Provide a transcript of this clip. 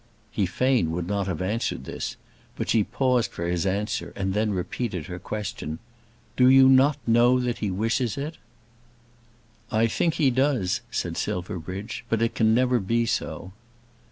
He fain would not have answered this; but she paused for his answer and then repeated her question. "Do you not know that he wishes it?" "I think he does," said Silverbridge; "but it can never be so."